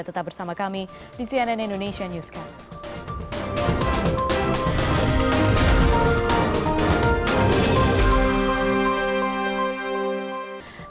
tetap bersama kami di cnn indonesia newscast